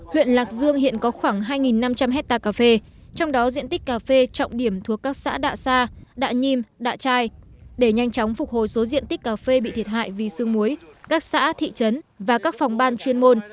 huyện lạc dương hiện có khoảng hai năm trăm linh hectare cà phê trong đó diện tích cà phê trọng điểm thuộc các xã đạ sa đạ nhiêm đạ trai để nhanh chóng phục hồi số diện tích cà phê bị thiệt hại vì sương muối các xã thị trấn và các phòng ban chuyên môn